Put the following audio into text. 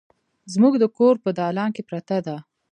زموږ د کور په دالان کې پرته ده